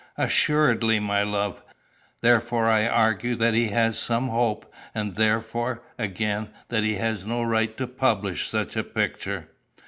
"Assuredly my love. Therefore I argue that he has some hope, and therefore, again, that he has no right to publish such a picture."